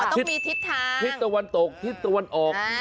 ต้องมีทิศทางทิศตะวันตกทิศตะวันออก